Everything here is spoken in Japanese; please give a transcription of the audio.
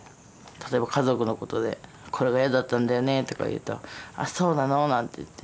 例えば家族のことで「これが嫌だったんだよね」とか言うと「あそうなの？」なんて言って。